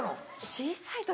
小さい時。